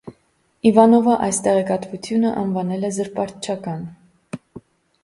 Իվանովը այս տեղեկատվությունը անվանել է զրպարտչական։